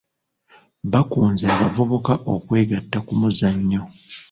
Bakunze abavubuka okwegatta ku muzannyo.